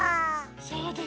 そうです。